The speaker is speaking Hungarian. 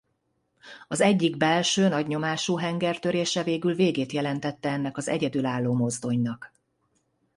Az egyik belső nagynyomású henger törése végül végét jelentette ennek az egyedülálló mozdonynak.